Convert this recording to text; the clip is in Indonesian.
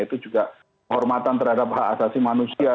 itu juga hormatan terhadap hak asasi manusia